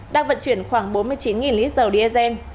đang vận chuyển khoảng bốn mươi chín lít dầu dsm